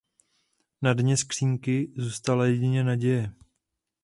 Na dně skříňky zůstala jedině naděje.